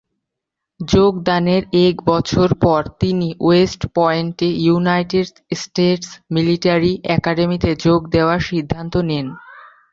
যোগদানের এক বছর পর তিনি ওয়েস্ট পয়েন্টে ইউনাইটেড স্টেটস মিলিটারি অ্যাকাডেমিতে যোগ দেওয়ার সিদ্ধান্ত নেন।